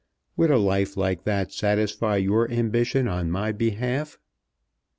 Would a life like that satisfy your ambition on my behalf?"